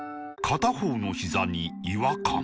片方のひざに違和感